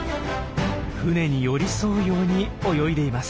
船に寄り添うように泳いでいます。